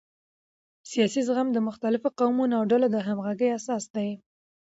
سیاسي زغم د مختلفو قومونو او ډلو د همغږۍ اساس دی